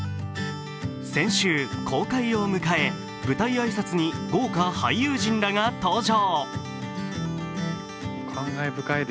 先週、公開を迎え、舞台挨拶に豪華俳優陣らが登場。